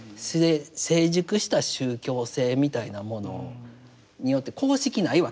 成熟した宗教性みたいなものによって公式ないわけですから。